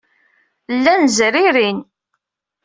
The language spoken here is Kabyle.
Llan zririn.